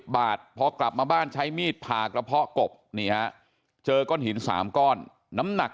บาทพอกลับมาบ้านใช้มีดผ่ากระเพาะกบนี่ฮะเจอก้อนหิน๓ก้อนน้ำหนัก